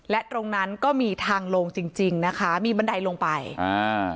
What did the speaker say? และตรงนั้นก็มีทางลงจริงจริงนะคะมีบันไดลงไปอ่า